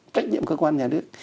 trách nhiệm cơ quan nhà nước